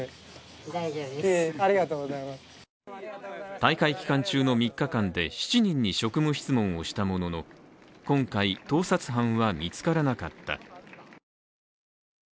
大会期間中の３日間で７人に職務質問をしたものの今回、盗撮犯は見つからなかった。